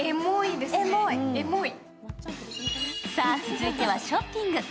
続いてはショッピング。